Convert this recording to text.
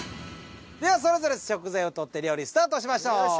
ではそれぞれ食材を取って料理スタートしましょう。